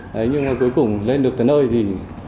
đấy nhưng cuối cùng lên được tới nơi thì